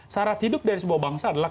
syarat hidup dari sebuah bangsa adalah